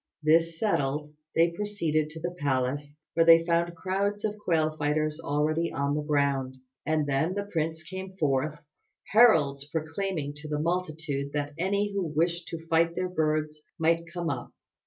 This settled, they proceeded to the palace where they found crowds of quail fighters already on the ground; and then the prince came forth, heralds proclaiming to the multitude that any who wished to fight their birds might come up.